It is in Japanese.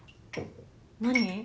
何？